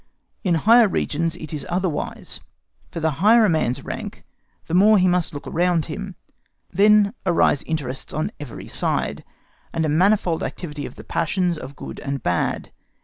In higher regions it is otherwise, for the higher a man's rank, the more he must look around him; then arise interests on every side, and a manifold activity of the passions of good and bad.